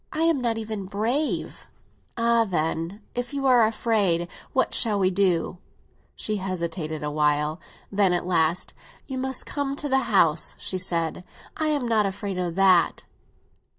"I am not even brave." "Ah, then, if you are afraid, what shall we do?" She hesitated a while; then at last—"You must come to the house," she said; "I am not afraid of that."